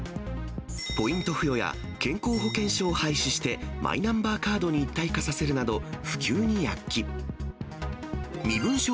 ポイント付与や健康保険証を廃止して、マイナンバーカードに一体化させるなど、普及に躍起。